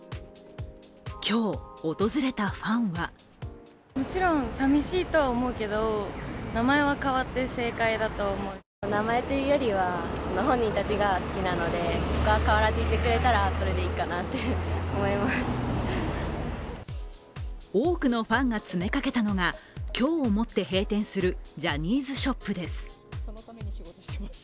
今日、訪れたファンは多くのファンが詰めかけたのが今日をもって閉店するジャニーズショップです